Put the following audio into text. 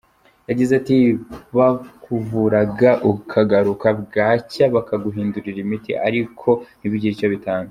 Yagize ati “bakuvuraga ukagaruka, bwacya bakaguhindurira imiti ariko ntibigire icyo bitanga.